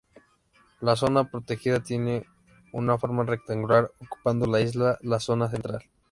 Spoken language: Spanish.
La zona protegida tiene una forma rectangular ocupando la isla la zona central.